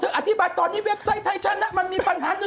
เธออธิบายตอนนี้เว็บไซต์ไทยชั้นมันมีปัญหา๑๒๓ตี